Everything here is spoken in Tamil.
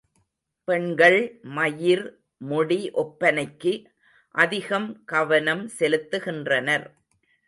பெண்கள் மயிர் முடி ஒப்பனைக்கு அதிகம் கவனம் செலுத்துகின்றனர்.